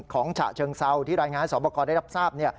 ของฉะเชิงเศร้าที่รายงานให้สอบกรณ์ได้รับทราบ